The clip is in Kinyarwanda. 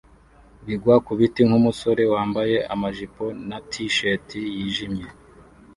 bigwa kubiti nkumusore wambaye amajipo na t-shirt yijimye